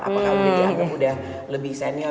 apakah udah dianggap udah lebih senior